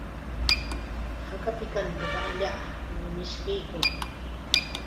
Haka pikantiqa allaapam mishkiykun.